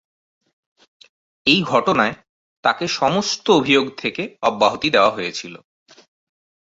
এই ঘটনায় তাকে সমস্ত অভিযোগ থেকে অব্যাহতি দেওয়া হয়েছিল।